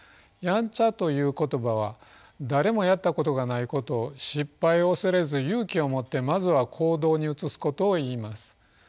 「やんちゃ」という言葉は誰もやったことがないことを失敗を恐れず勇気を持ってまずは行動に移すことを言います。